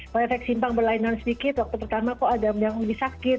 kalau efek simpang berlainan sedikit waktu pertama kok ada yang lebih sakit